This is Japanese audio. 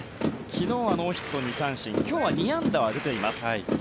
昨日はノーヒット２三振今日は２安打は出ています。